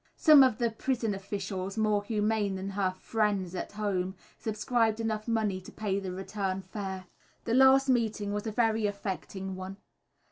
Some of the prison officials, more humane than her "friends" at home, subscribed enough money to pay the return fare. The last meeting was a very affecting one.